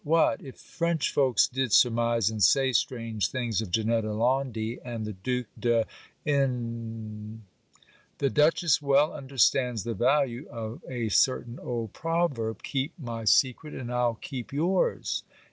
What, if French folks did surmise and say strange things of Janetta Laundy and the Duke de N , the Dutchess well understands the value of a certain old proverb, _Keep my secret and I'll keep your's.